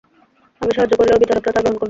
আমি সাহায্য করলেও বিচারকরা তা গ্রহণ করবে না।